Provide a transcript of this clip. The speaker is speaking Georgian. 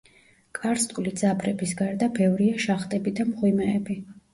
კარსტული ძაბრების გარდა ბევრია შახტები და მღვიმეები.